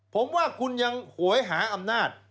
ผมว่าคุณยังหวยหาอำนาจ